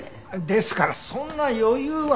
ですからそんな余裕は。